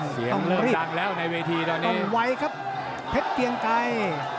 เสียงเริ่มดังแล้วในเวทีตอนนี้ไวครับเพชรเกียงไกร